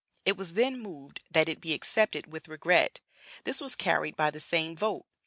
It was then moved that it be accepted 'with regret:' this was carried by the same vote!